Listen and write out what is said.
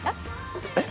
えっ？